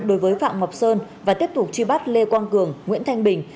đối với phạm ngọc sơn và tiếp tục truy bắt lê quang cường nguyễn thanh bình